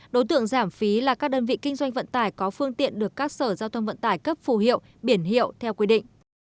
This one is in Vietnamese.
đối tượng giảm phí là các đơn vị kinh doanh vận tải có phương tiện được các sở giao thông vận tải cấp phù hiệu biển hiệu theo quy định